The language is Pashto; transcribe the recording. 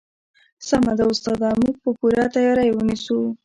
سمه ده استاده موږ به پوره تیاری ونیسو